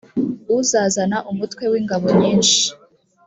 uzazana umutwe w ingabo nyinshi